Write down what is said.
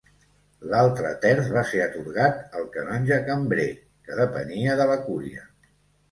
L'altre terç va ser atorgat al canonge cambrer, que depenia de la cúria.